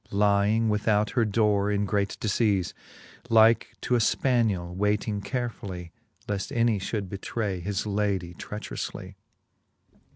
Lying without her dore in great difeafe j Like to a fpaniell wayting carefully, Leaft any fhould betray his lady treacheroufly.